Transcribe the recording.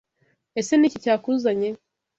Ese Ni iki cyakuzanye?